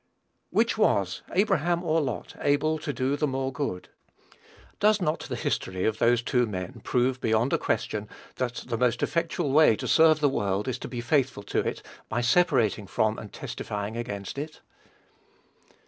Which was Abraham or Lot able to do the more good? Does not the history of those two men prove beyond a question that the most effectual way to serve the world is to be faithful to it, by separating from and testifying against it?